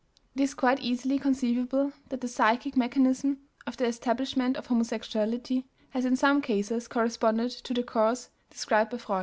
It is quite easily conceivable that the psychic mechanism of the establishment of homosexuality has in some cases corresponded to the course described by Freud.